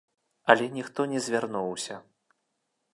Але ніхто не звярнуўся.